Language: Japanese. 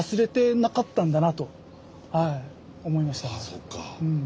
あそっか。